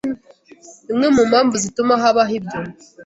Imwe mu mpamvu zituma habaho ibyo